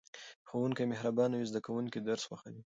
که ښوونکی مهربان وي زده کوونکي درس خوښوي.